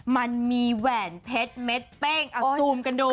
มันมีแหวนเพชรเม็ดเป้งเอาซูมกันดู